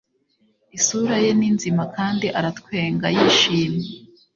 Isura ye ni nzima kandi aratwenga yishimye